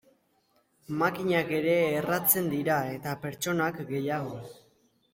Makinak ere erratzen dira, eta pertsonak gehiago.